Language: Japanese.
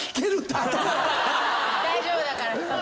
大丈夫だから。